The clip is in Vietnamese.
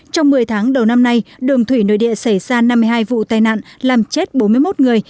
trong một mươi tháng đầu năm nay đường thủy nội địa xảy ra năm mươi hai vụ tai nạn làm chết bốn mươi một người